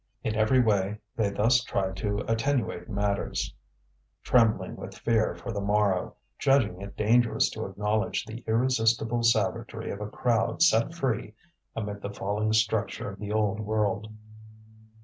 In every way they thus tried to attenuate matters, trembling with fear for the morrow, judging it dangerous to acknowledge the irresistible savagery of a crowd set free amid the falling structure of the old world.